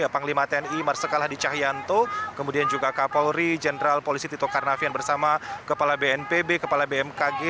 panglima tni marsikal hadi cahyanto kemudian juga kapolri jenderal polisi tito karnavian bersama kepala bnpb kepala bmkg